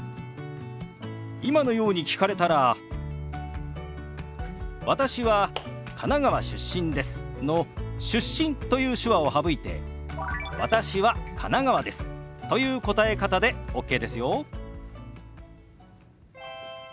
今のように聞かれたら「私は神奈川出身です」の「出身」という手話を省いて「私は神奈川です」という答え方でＯＫですよ。